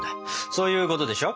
そういうことでしょ？